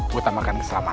dekatnya laturnya ngadat